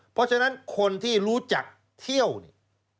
เพราะฉะนั้นคนที่รู้จักเที่ยวเนี่ย